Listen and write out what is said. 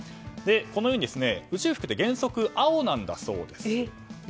このように宇宙服って原則、青なんだそうです。